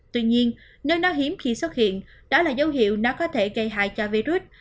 tuy nhiên nếu nó hiếm khi xuất hiện đó là dấu hiệu nó có thể gây hại cho virus